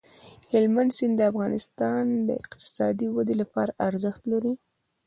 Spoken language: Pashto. هلمند سیند د افغانستان د اقتصادي ودې لپاره ارزښت لري.